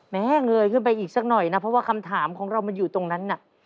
แม่เงยขึ้นไปอีกสักหน่อยนะเพราะว่าคำถามของเรามันอยู่ตรงนั้นน่ะ